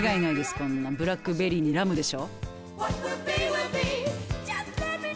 こんなブラックベリーにラムでしょ。